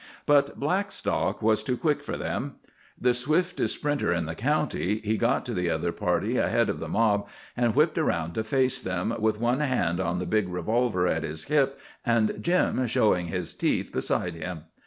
But Blackstock was too quick for them. The swiftest sprinter in the county, he got to the other party ahead of the mob and whipped around to face them, with one hand on the big revolver at his hip and Jim showing his teeth beside him.